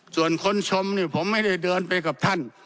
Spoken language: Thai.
ส่วนคนชมนี่ผมไม่ได้เดินไปกับท่าน